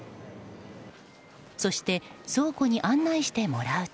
そして倉庫に案内してもらうと。